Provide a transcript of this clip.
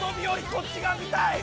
こっちが見たい！